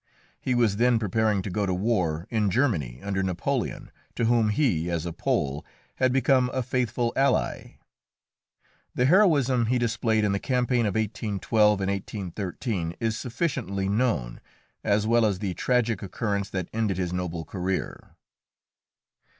He was then preparing to go to war in Germany under Napoleon, to whom he, as a Pole, had become a faithful ally. The heroism he displayed in the campaign of 1812 and 1813 is sufficiently known, as well as the tragic occurrence that ended his noble career.